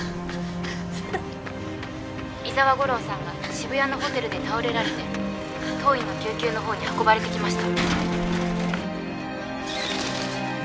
「伊沢吾良さんが渋谷のホテルで倒れられて当院の救急のほうに運ばれてきました」